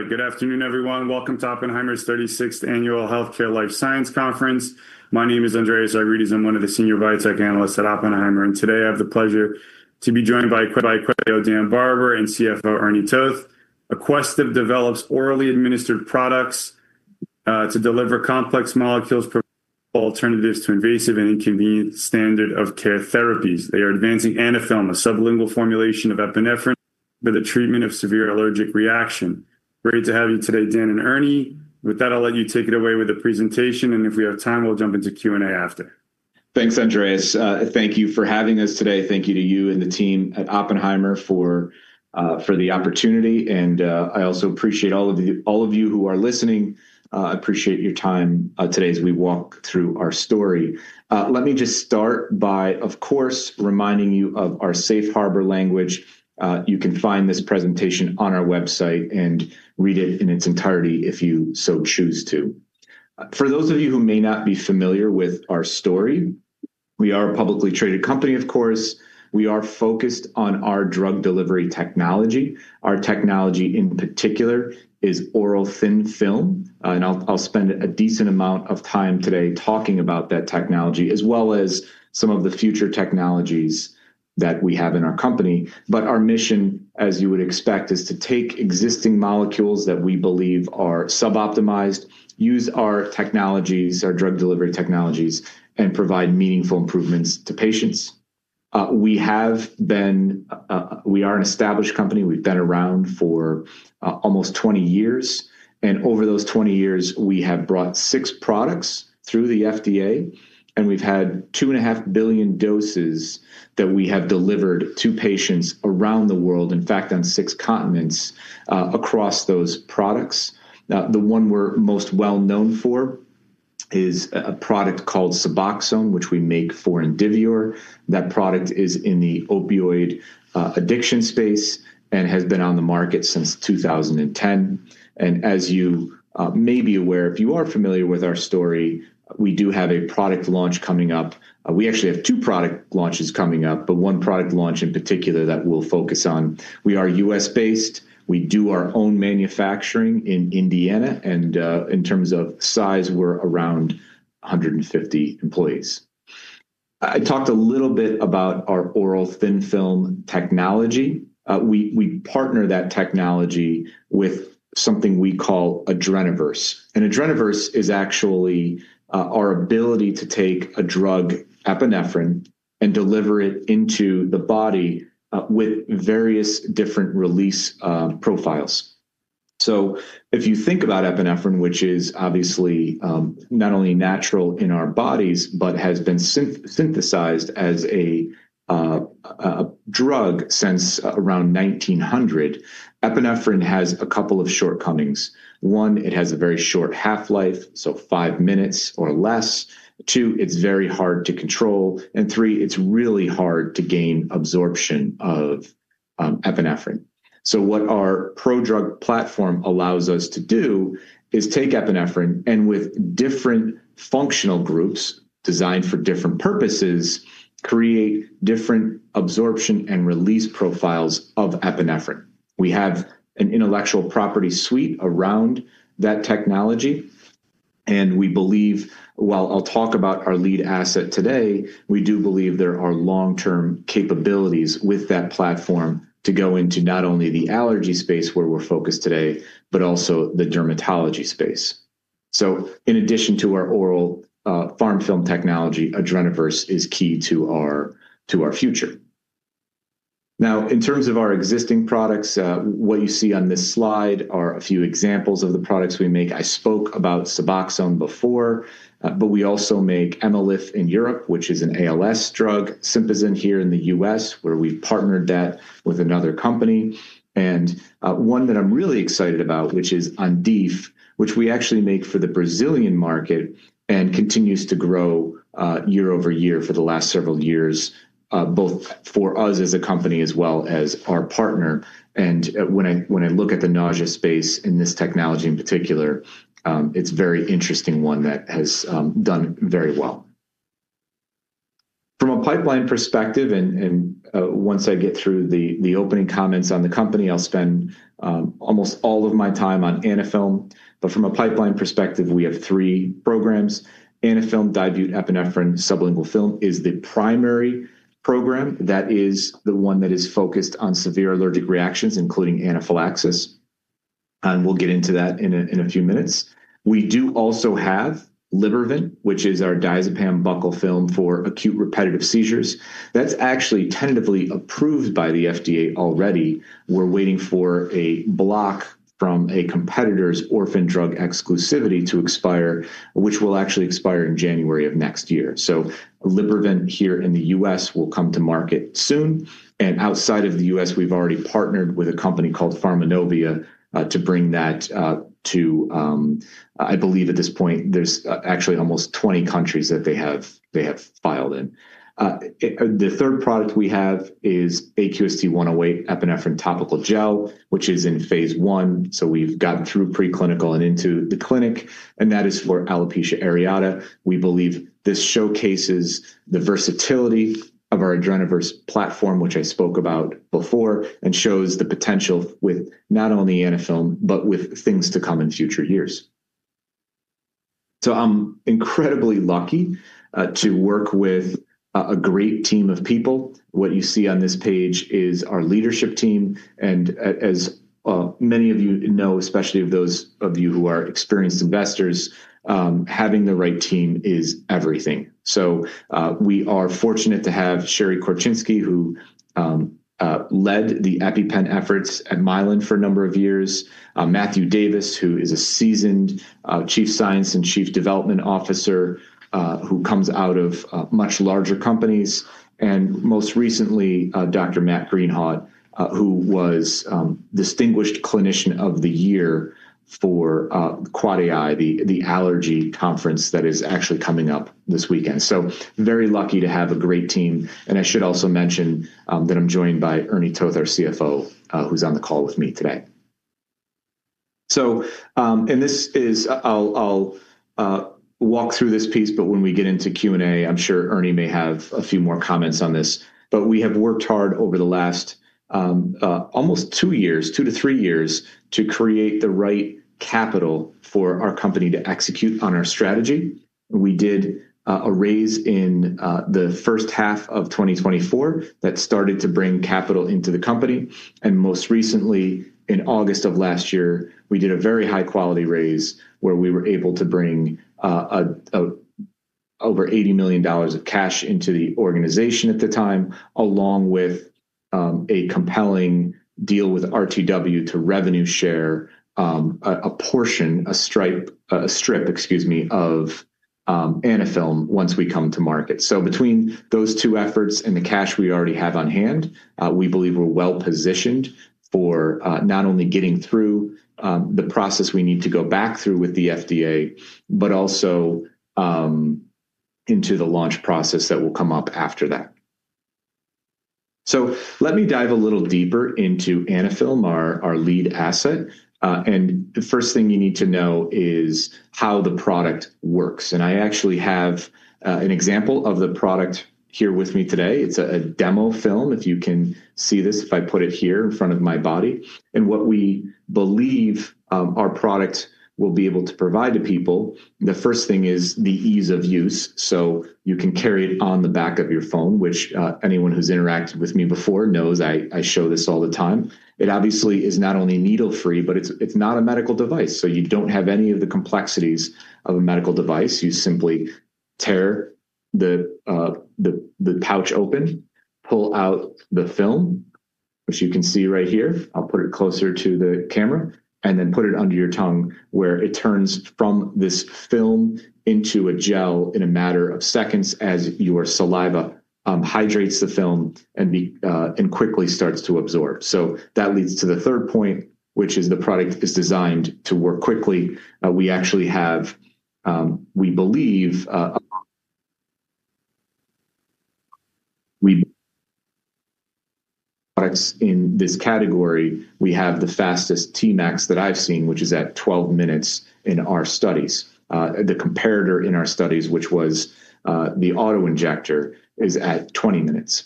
All right. Good afternoon, everyone. Welcome to Oppenheimer's 36th Annual Healthcare Life Sciences Conference. My name is Andreas Argyrides. I'm one of the senior biotech analysts at Oppenheimer, and today I have the pleasure to be joined by Aquestive CEO Dan Barber and CFO Ernie Toth. Aquestive develops orally administered products to deliver complex molecules, alternatives to invasive and inconvenient standard of care therapies. They are advancing Anaphylm, a sublingual formulation of epinephrine for the treatment of severe allergic reaction. Great to have you today, Dan and Ernie. With that, I'll let you take it away with the presentation, if we have time, we'll jump into Q&A after. Thanks, Andreas. Thank you for having us today. Thank you to you and the team at Oppenheimer for the opportunity, and I also appreciate all of you who are listening. I appreciate your time today as we walk through our story. Let me just start by, of course, reminding you of our safe harbor language. You can find this presentation on our website and read it in its entirety if you so choose to. For those of you who may not be familiar with our story, we are a publicly traded company, of course. We are focused on our drug delivery technology. Our technology, in particular, is oral thin film, and I'll spend a decent amount of time today talking about that technology, as well as some of the future technologies that we have in our company. Our mission, as you would expect, is to take existing molecules that we believe are sub-optimized, use our technologies, our drug delivery technologies, and provide meaningful improvements to patients. We are an established company. We've been around for almost 20 years, and over those 20 years, we have brought six products through the FDA, and we've had 2.5 billion doses that we have delivered to patients around the world, in fact, on six continents across those products. The one we're most well known for is a product called Suboxone, which we make for Indivior. That product is in the opioid addiction space and has been on the market since 2010. As you may be aware, if you are familiar with our story, we do have a product launch coming up. We actually have two product launches coming up, but one product launch in particular that we'll focus on. We are U.S.-based. We do our own manufacturing in Indiana, and, in terms of size, we're around 150 employees. I talked a little bit about our oral thin film technology. We partner that technology with something we call Adrenoverse. An Adrenoverse is actually our ability to take a drug, epinephrine, and deliver it into the body with various different release profiles. If you think about epinephrine, which is obviously not only natural in our bodies, but has been synthesized as a drug since around 1900, epinephrine has a couple of shortcomings. One, it has a very short half-life, so 5 minutes or less. Two, it's very hard to control, three, it's really hard to gain absorption of epinephrine. What our prodrug platform allows us to do is take epinephrine and with different functional groups designed for different purposes, create different absorption and release profiles of epinephrine. We have an intellectual property suite around that technology. Well, I'll talk about our lead asset today. We do believe there are long-term capabilities with that platform to go into not only the allergy space, where we're focused today, but also the dermatology space. In addition to our oral PharmFilm technology, Adrenoverse is key to our future. Now, in terms of our existing products, what you see on this slide are a few examples of the products we make. I spoke about Suboxone before, but we also make Emylif in Europe, which is an ALS drug, Sympazan here in the U.S., where we've partnered that with another company, one that I'm really excited about, which is Ondif, which we actually make for the Brazilian market and continues to grow year-over-year for the last several years, both for us as a company as well as our partner. When I look at the nausea space in this technology, in particular, it's very interesting, one that has done very well. From a pipeline perspective, once I get through the opening comments on the company, I'll spend almost all of my time on Anaphylm. From a pipeline perspective, we have three programs. Anaphylm, epinephrine sublingual film, is the primary program. That is the one that is focused on severe allergic reactions, including anaphylaxis, and we'll get into that in a few minutes. We do also have Libervant, which is our diazepam buccal film for acute repetitive seizures. That's actually tentatively approved by the FDA already. We're waiting for a block from a competitor's orphan drug exclusivity to expire, which will actually expire in January of next year. Libervant here in the U.S. will come to market soon, and outside of the U.S., we've already partnered with a company called Pharmanovia to bring that to. I believe at this point there's actually almost 20 countries that they have filed in. The third product we have is AQST108 epinephrine topical gel, which is in phase I, so we've gotten through preclinical and into the clinic, and that is for alopecia areata. We believe this showcases the versatility of our Adrenoverse platform, which I spoke about before, and shows the potential with not only Anaphylm, but with things to come in future years. I'm incredibly lucky to work with a great team of people. What you see on this page is our leadership team, as many of you know, especially of those of you who are experienced investors, having the right team is everything. We are fortunate to have Sherry Korczynski, who led the EpiPen efforts at Mylan for a number of years, Matthew Davis, who is a seasoned Chief Science and Chief Development Officer, who comes out of much larger companies, and most recently, Dr. Matt Greenhawt, who was Distinguished Clinician of the Year for AAAAI, the allergy conference that is actually coming up this weekend. Very lucky to have a great team. I should also mention that I'm joined by Ernie Toth, our CFO, who's on the call with me today. I'll walk through this piece, but when we get into Q&A, I'm sure Ernie may have a few more comments on this. We have worked hard over the last almost 2-3 years, to create the right capital for our company to execute on our strategy. We did a raise in the first half of 2024 that started to bring capital into the company, and most recently, in August of last year, we did a very high-quality raise where we were able to bring over $80 million of cash into the organization at the time, along with a compelling deal with RTW to revenue share a strip of Anaphylm once we come to market. Between those 2 efforts and the cash we already have on hand, we believe we're well-positioned for not only getting through the process we need to go back through with the FDA, but also into the launch process that will come up after that. Let me dive a little deeper into Anaphylm, our lead asset, and the first thing you need to know is how the product works. I actually have an example of the product here with me today. It's a demo film, if you can see this, if I put it here in front of my body. What we believe our product will be able to provide to people, the first thing is the ease of use. You can carry it on the back of your phone, which, anyone who's interacted with me before knows I show this all the time. It obviously is not only needle-free, but it's not a medical device, so you don't have any of the complexities of a medical device. You simply tear the pouch open, pull out the film, which you can see right here, I'll put it closer to the camera, and then put it under your tongue, where it turns from this film into a gel in a matter of seconds as your saliva hydrates the film and quickly starts to absorb. That leads to the third point, which is the product is designed to work quickly. We actually have, we believe, we... products in this category, we have the fastest T-max that I've seen, which is at 12 minutes in our studies. The comparator in our studies, which was the auto-injector, is at 20 minutes.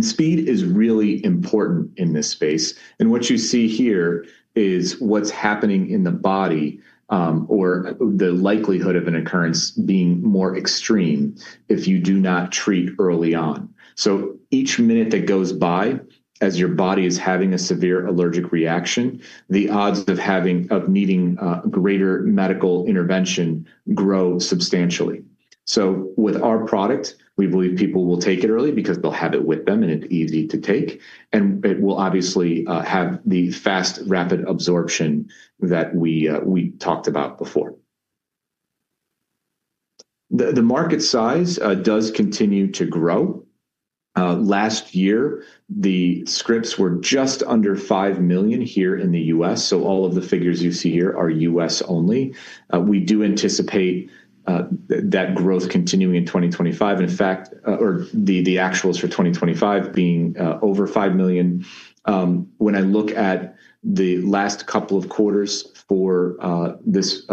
Speed is really important in this space, and what you see here is what's happening in the body, or the likelihood of an occurrence being more extreme if you do not treat early on. Each minute that goes by as your body is having a severe allergic reaction, the odds of needing greater medical intervention grow substantially. With our product, we believe people will take it early because they'll have it with them, and it's easy to take, and it will obviously have the fast, rapid absorption that we talked about before. The market size does continue to grow. Last year, the scripts were just under $5 million here in the U.S. All of the figures you see here are U.S. only. We do anticipate that growth continuing in 2025, in fact, or the actuals for 2025 being over $5 million. When I look at the last couple of quarters for this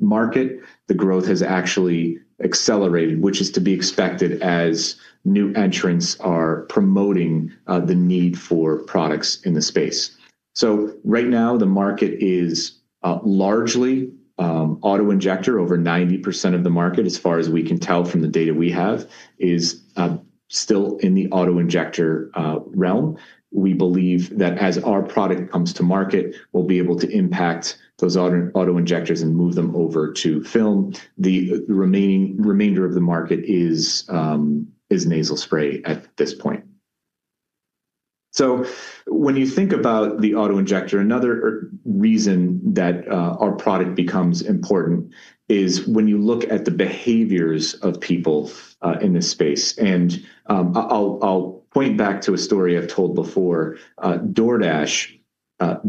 market, the growth has actually accelerated, which is to be expected as new entrants are promoting the need for products in the space. Right now, the market is largely auto-injector. Over 90% of the market, as far as we can tell from the data we have, is still in the auto-injector realm. We believe that as our product comes to market, we'll be able to impact those auto-injectors and move them over to film. The remainder of the market is nasal spray at this point. When you think about the auto-injector, another reason that our product becomes important is when you look at the behaviors of people in this space, and I'll point back to a story I've told before. DoorDash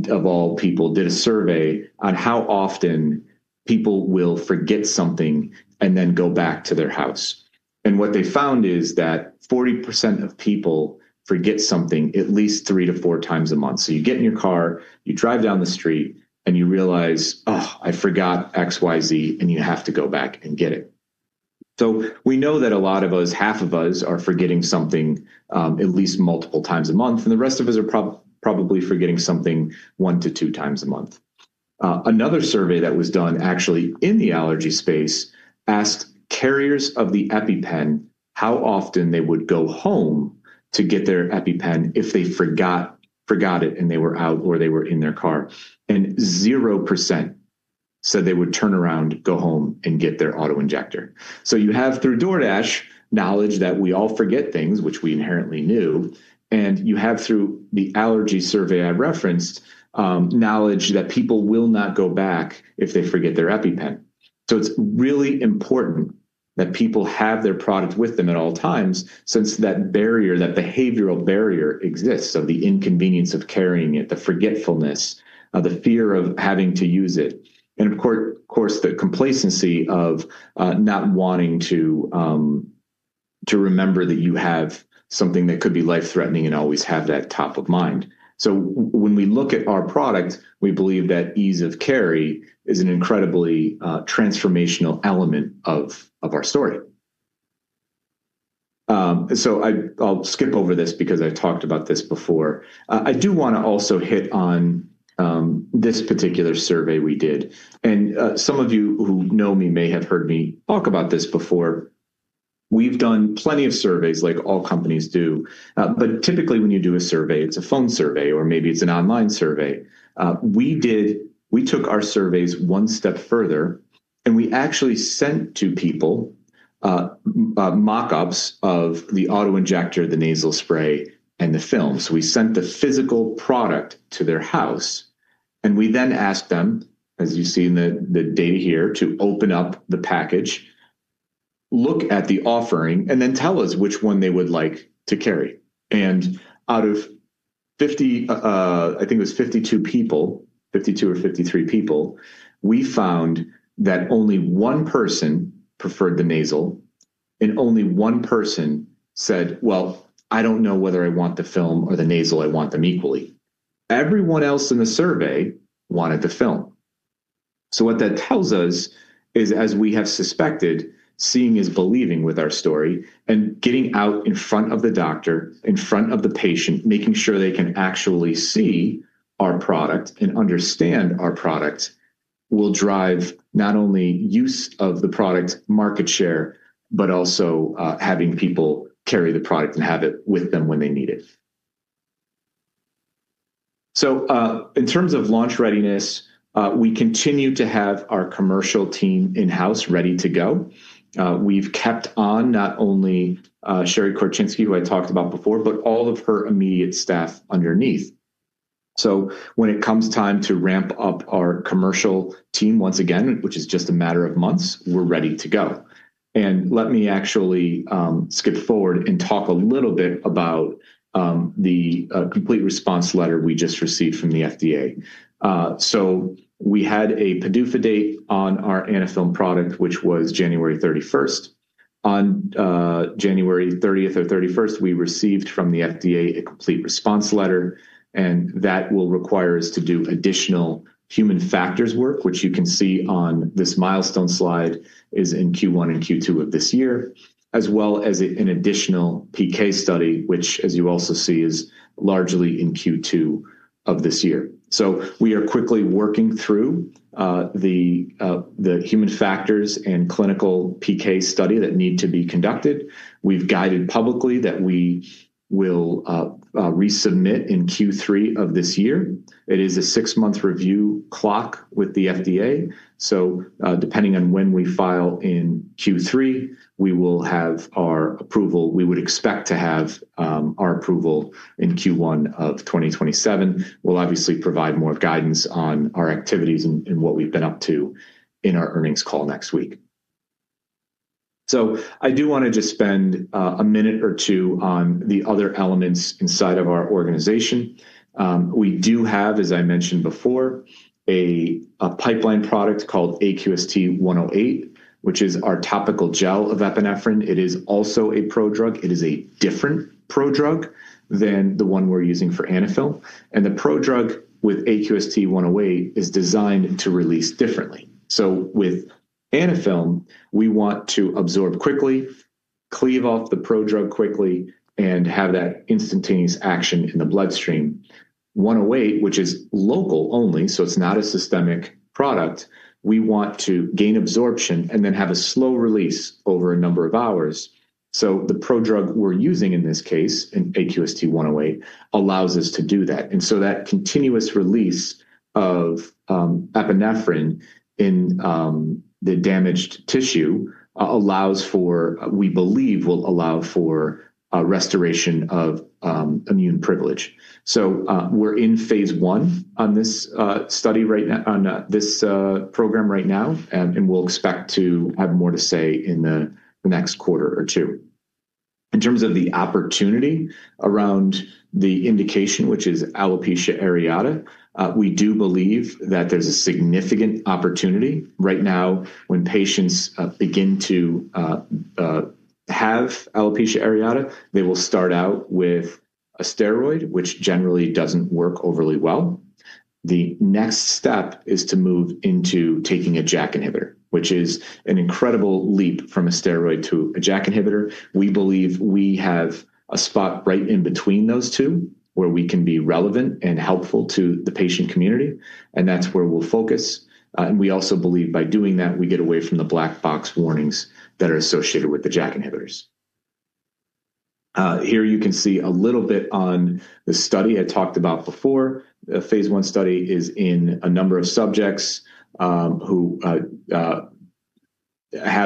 of all people did a survey on how often people will forget something and then go back to their house. What they found is that 40% of people forget something at least 3 to 4 times a month. You get in your car, you drive down the street, and you realize, "Ugh, I forgot XYZ," and you have to go back and get it. We know that a lot of us, half of us, are forgetting something, at least multiple times a month, and the rest of us are probably forgetting something one to two times a month. Another survey that was done actually in the allergy space asked carriers of the EpiPen how often they would go home to get their EpiPen if they forgot it, and they were out or they were in their car, and 0% said they would turn around, go home, and get their auto injector. You have, through DoorDash, knowledge that we all forget things which we inherently knew, and you have through the allergy survey I referenced, knowledge that people will not go back if they forget their EpiPen. It's really important that people have their product with them at all times, since that barrier, that behavioral barrier exists of the inconvenience of carrying it, the forgetfulness, the fear of having to use it, and of course, the complacency of not wanting to remember that you have something that could be life-threatening and always have that top of mind. When we look at our product, we believe that ease of carry is an incredibly transformational element of our story. I'll skip over this because I talked about this before. I do wanna also hit on this particular survey we did, and some of you who know me may have heard me talk about this before. We've done plenty of surveys, like all companies do, but typically when you do a survey, it's a phone survey or maybe it's an online survey. We took our surveys one step further, and we actually sent to people mock-ups of the auto injector, the nasal spray, and the film. We sent the physical product to their house, and we then asked them, as you see in the data here, to open up the package, look at the offering, and then tell us which one they would like to carry. Out of fifty, I think it was 52 people, 52 or 53 people, we found that only one person preferred the nasal, and only one person said, "Well, I don't know whether I want the film or the nasal. I want them equally." Everyone else in the survey wanted the film. What that tells us is, as we have suspected, seeing is believing with our story and getting out in front of the doctor, in front of the patient, making sure they can actually see our product and understand our product, will drive not only use of the product market share, but also having people carry the product and have it with them when they need it. In terms of launch readiness, we continue to have our commercial team in-house ready to go. We've kept on not only Sherry Korczynski, who I talked about before, but all of her immediate staff underneath. When it comes time to ramp up our commercial team once again, which is just a matter of months, we're ready to go. Let me actually skip forward and talk a little bit about the complete response letter we just received from the FDA. We had a PDUFA date on our Anaphylm product, which was January 31st. On January 30th or 31st, we received from the FDA a complete response letter, and that will require us to do additional human factors work, which you can see on this milestone slide is in Q1 and Q2 of this year, as well as an additional PK study, which, as you also see, is largely in Q2 of this year. We are quickly working through the human factors and clinical PK study that need to be conducted. We've guided publicly that we will resubmit in Q3 of this year. It is a six-month review clock with the FDA, depending on when we file in Q3, we will have our approval. We would expect to have our approval in Q1 of 2027. We'll obviously provide more guidance on our activities and what we've been up to in our earnings call next week. I do want to just spend a minute or two on the other elements inside of our organization. We do have, as I mentioned before, a pipeline product called AQST108, which is our topical gel of epinephrine. It is also a prodrug. It is a different prodrug than the one we're using for Anaphylm, the prodrug with AQST108 is designed to release differently. With Anaphylm, we want to absorb quickly, cleave off the prodrug quickly, and have that instantaneous action in the bloodstream. 108, which is local only, so it's not a systemic product, we want to gain absorption and then have a slow release over a number of hours. The prodrug we're using in this case, in AQST108, allows us to do that. That continuous release of epinephrine in the damaged tissue, we believe will allow for a restoration of immune privilege. We're in phase I on this study right now, on this program right now, and we'll expect to have more to say in the next quarter or 2. In terms of the opportunity around the indication, which is alopecia areata, we do believe that there's a significant opportunity right now when patients begin to. have alopecia areata, they will start out with a steroid, which generally doesn't work overly well. The next step is to move into taking a JAK inhibitor, which is an incredible leap from a steroid to a JAK inhibitor. We believe we have a spot right in between those two, where we can be relevant and helpful to the patient community, and that's where we'll focus. We also believe by doing that, we get away from the black box warnings that are associated with the JAK inhibitors. Here you can see a little bit on the study I talked about before. The phase I study is in a number of subjects, who have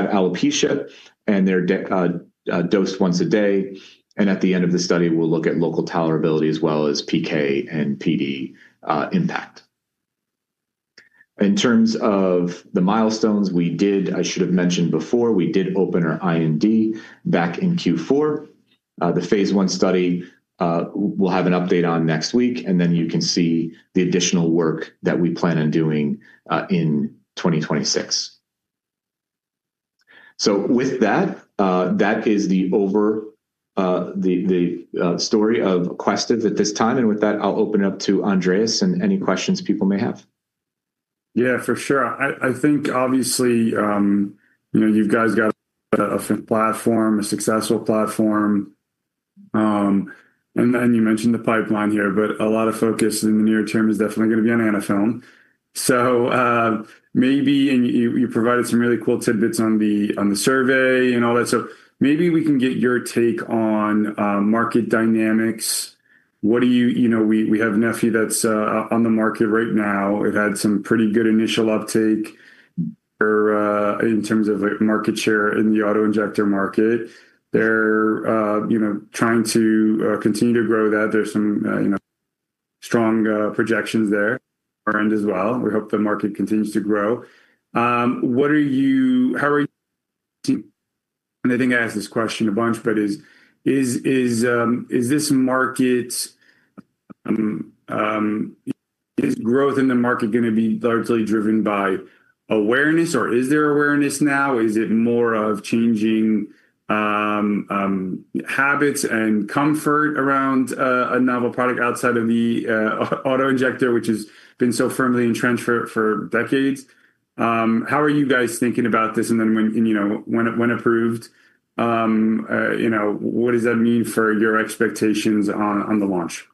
alopecia, and they're dosed once a day, and at the end of the study, we'll look at local tolerability as well as PK and PD impact. In terms of the milestones, I should have mentioned before, we did open our IND back in Q4. The phase I study, we'll have an update on next week, you can see the additional work that we plan on doing in 2026. With that is the story of Aquestive at this time. With that, I'll open it up to Andreas and any questions people may have. Yeah, for sure. I think obviously, you know, you guys got a platform, a successful platform. You mentioned the pipeline here, but a lot of focus in the near term is definitely going to be on Anaphylm. Maybe, and you provided some really cool tidbits on the, on the survey and all that. Maybe we can get your take on market dynamics. What do you... You know, we have neffy that's on the market right now. We've had some pretty good initial uptake for in terms of, like, market share in the auto injector market. They're, you know, trying to continue to grow that. There's some, you know, strong projections there on our end as well. We hope the market continues to grow. I think I asked this question a bunch, but is this market, um, is growth in the market going to be largely driven by awareness, or is there awareness now? Is it more of changing, um, habits and comfort around a novel product outside of the auto injector, which has been so firmly entrenched for decades? How are you guys thinking about this, and then when, you know, when approved, you know, what does that mean for your expectations on the launch?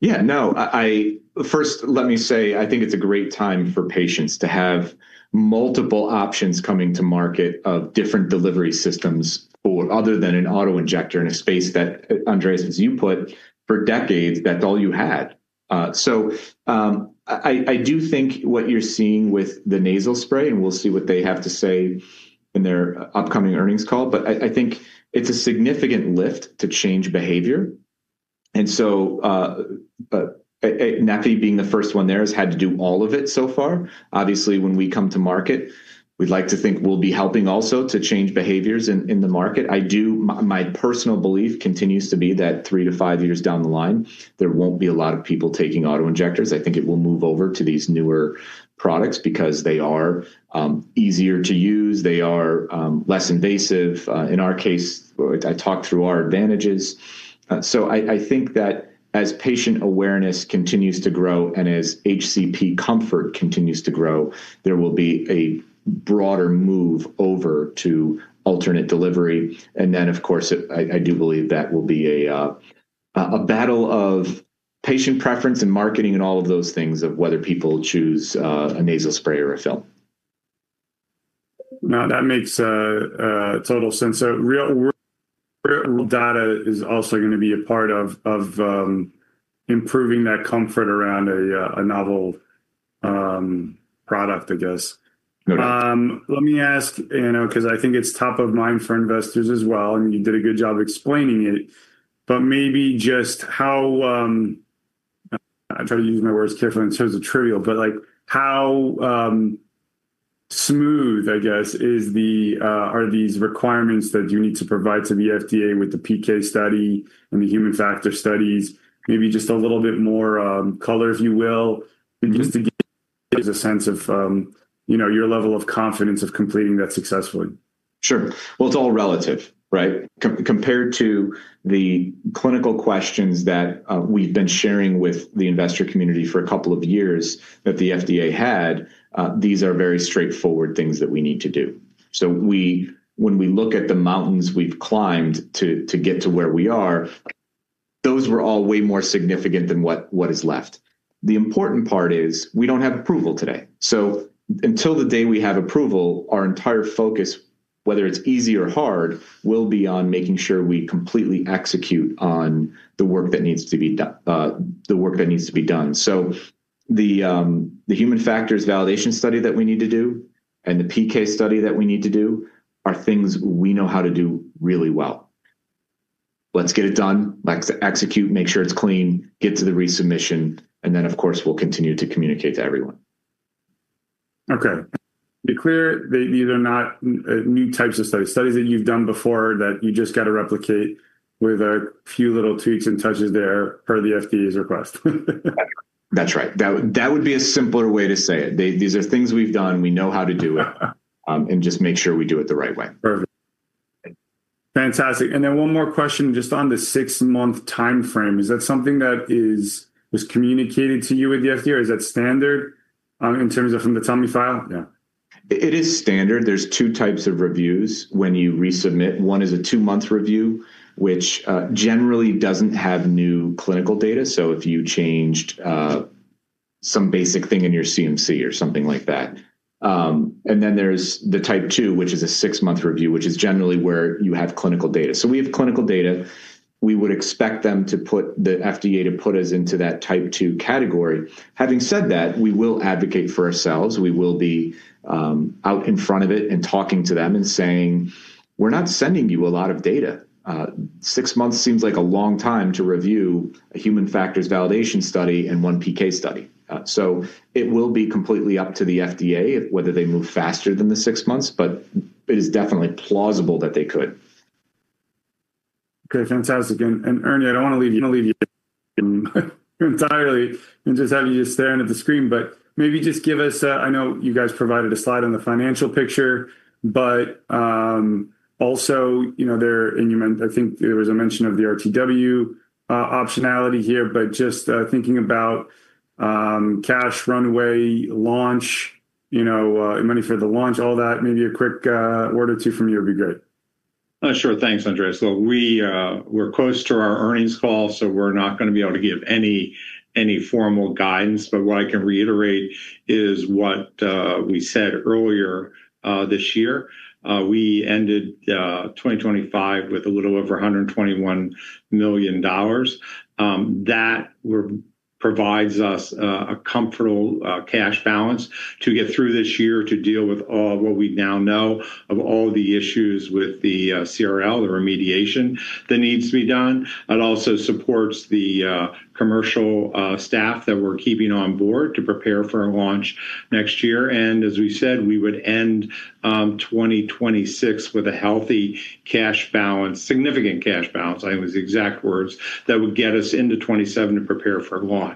Yeah, no. I, first, let me say, I think it's a great time for patients to have multiple options coming to market of different delivery systems or other than an autoinjector in a space that, Andreas Argyrides, as you put, for decades, that's all you had. I do think what you're seeing with the nasal spray, and we'll see what they have to say in their upcoming earnings call, but I think it's a significant lift to change behavior. neffy being the first one there, has had to do all of it so far. Obviously, when we come to market, we'd like to think we'll be helping also to change behaviors in the market. My personal belief continues to be that three to five years down the line, there won't be a lot of people taking auto injectors. I think it will move over to these newer products because they are easier to use, they are less invasive. In our case, I talked through our advantages. I think that as patient awareness continues to grow and as HCP comfort continues to grow, there will be a broader move over to alternate delivery. Of course, I do believe that will be a battle of patient preference and marketing and all of those things, of whether people choose a nasal spray or a film. That makes total sense. Real world data is also going to be a part of improving that comfort around a novel product, I guess. Correct. Let me ask, you know, because I think it's top of mind for investors as well, and you did a good job explaining it, but maybe just how I'm trying to use my words carefully in terms of trivial, but, like, how smooth, I guess, is the are these requirements that you need to provide to the FDA with the PK study and the human factor studies? Maybe just a little bit more color, if you will, just to give us a sense of, you know, your level of confidence of completing that successfully. Sure. Well, it's all relative, right? Compared to the clinical questions that we've been sharing with the investor community for a couple of years, that the FDA had, these are very straightforward things that we need to do. When we look at the mountains we've climbed to get to where we are, those were all way more significant than what is left. The important part is we don't have approval today. Until the day we have approval, our entire focus, whether it's easy or hard, will be on making sure we completely execute on the work that needs to be do, the work that needs to be done. The human factors validation study that we need to do and the PK study that we need to do are things we know how to do really well. Let's get it done, let's execute, make sure it's clean, get to the resubmission, and then, of course, we'll continue to communicate to everyone. Okay. To be clear, these are not, new types of studies. Studies that you've done before, that you just got to replicate with a few little tweaks and touches there per the FDA's request. That's right. That would be a simpler way to say it. These are things we've done, we know how to do it, and just make sure we do it the right way. Perfect. Fantastic. One more question, just on the 6-month timeframe, is that something that was communicated to you with the FDA, or is that standard in terms of from the PDUFA file? Yeah. It is standard. There's 2 types of reviews when you resubmit. One is a 2-month review, which generally doesn't have new clinical data, so if you changed some basic thing in your CMC or something like that. Then there's the Type 2, which is a 6-month review, which is generally where you have clinical data. We have clinical data. We would expect them the FDA to put us into that Type 2 category. Having said that, we will advocate for ourselves. We will be out in front of it and talking to them and saying, "We're not sending you a lot of data. Six months seems like a long time to review a human factors validation study and one PK study. It will be completely up to the FDA whether they move faster than the six months, but it is definitely plausible that they could. Okay, fantastic. Ernie, I don't want to leave you entirely and just have you just staring at the screen. Maybe just give us. I know you guys provided a slide on the financial picture. Also, you know, there, I think there was a mention of the RTW optionality here. Just thinking about cash runway launch, you know, money for the launch, all that, maybe a quick word or two from you would be good. Sure. Thanks, Andreas. We're close to our earnings call, so we're not going to be able to give any formal guidance. What I can reiterate is what we said earlier this year. We ended 2025 with a little over $121 million. That provides us a comfortable cash balance to get through this year, to deal with what we now know of all the issues with the CRL, the remediation that needs to be done. It also supports the commercial staff that we're keeping on board to prepare for a launch next year. As we said, we would end 2026 with a healthy cash balance, significant cash balance, I use the exact words, that would get us into 2027 to prepare for launch.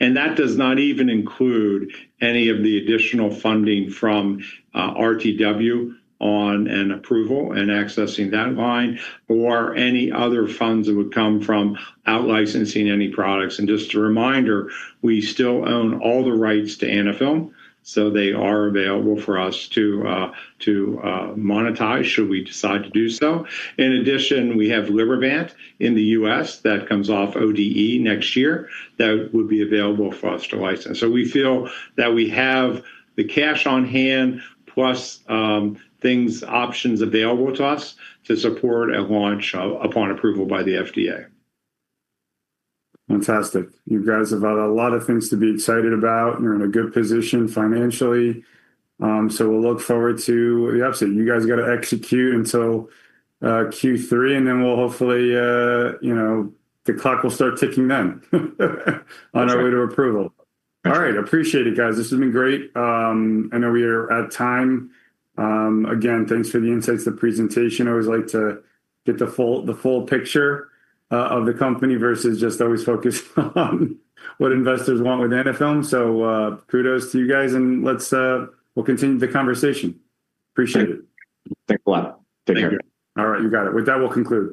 That does not even include any of the additional funding from RTW on an approval and accessing that line or any other funds that would come from out-licensing any products. Just a reminder, we still own all the rights to Anaphylm, so they are available for us to monetize, should we decide to do so. In addition, we have Libervant in the U.S. that comes off ODE next year that would be available for us to license. We feel that we have the cash on hand, plus things, options available to us to support a launch upon approval by the FDA. Fantastic. You guys have had a lot of things to be excited about. You're in a good position financially, so we'll look forward to... You absolutely, you guys got to execute until Q3, and then we'll hopefully, you know, the clock will start ticking then, on our way to approval. That's right. All right. Appreciate it, guys. This has been great. I know we are at time. Again, thanks for the insights, the presentation. I always like to get the full, the full picture of the company versus just always focused on, what investors want with Anaphylm. Kudos to you guys, we'll continue the conversation. Appreciate it. Thanks a lot. Take care. All right. You got it. With that, we'll conclude.